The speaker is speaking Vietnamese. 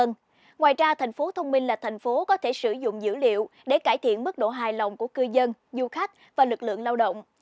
ngoài ra thành phố thông minh là thành phố có thể sử dụng dữ liệu để cải thiện mức độ hài lòng của cư dân du khách và lực lượng lao động